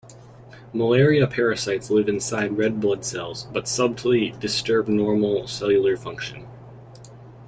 Malaria parasites live inside red blood cells, but subtly disturb normal cellular function.